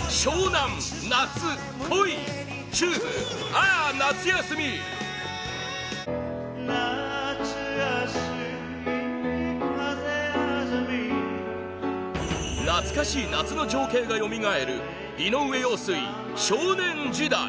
「夏が過ぎ風あざみ」懐かしい夏の情景がよみがえる井上陽水、「少年時代」